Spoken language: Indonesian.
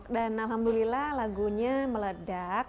dan alhamdulillah lagunya meledak